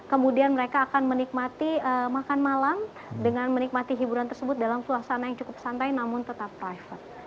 kemudian mereka akan menikmati makan malam dengan menikmati hiburan tersebut dalam suasana yang cukup santai namun tetap private